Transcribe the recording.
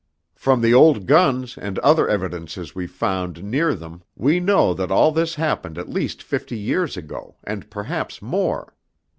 From the old guns and other evidences we found near them we know that all this happened at least fifty years ago, and perhaps more.